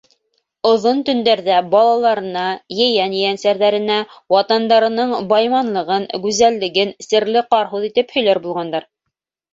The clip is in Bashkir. Оҙон төндәрҙә балаларына, ейән-ейәнсәрҙәренә ватандарының байманлығын, гүзәллеген серле ҡарһүҙ итеп һөйләр булғандар.